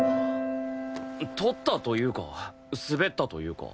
撮ったというか滑ったというか。